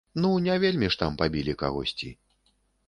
Ну, не вельмі ж там пабілі кагосьці.